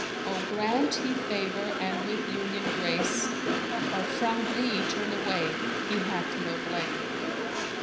Or grant He favour and with union grace, * Or from thee turn away, He hath no blame.